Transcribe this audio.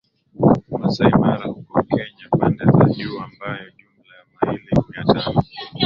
Masai Mara huko Kenya pande za juu ambayo jumla ya maili Mia tano